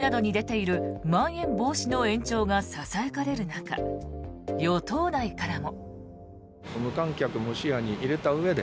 東京などに出ているまん延防止の延長がささやかれる中与党内からも。